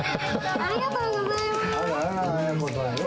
ありがとうございます！